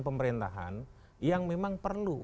pemerintahan yang memang perlu